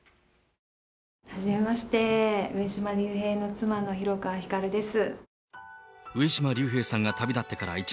はじめまして、上島竜兵の妻の広川ひかるです。